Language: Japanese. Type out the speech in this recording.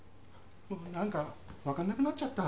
なんかわかんなくなっちゃった。